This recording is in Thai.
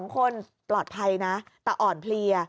๒คนปลอดภัยนะแต่อ่อนเพลีย